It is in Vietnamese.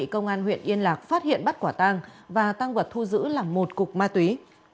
công an huyện yên lạc phát hiện bắt quả tang và tăng vật thu giữ là một cục ma túy